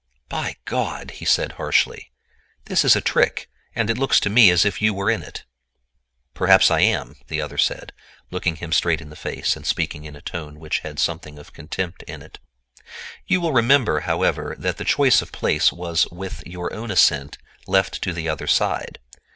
"By God!" he said harshly, "this is a trick, and it looks to me as if you were in it." "Perhaps I am," the other said, looking him straight in the face and speaking in a tone which had something of contempt in it. "You will remember, however, that the choice of place was with your own assent left to the other side.